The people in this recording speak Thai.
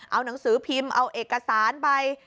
เอาหนังสือพิมพ์เอาเอกสารไป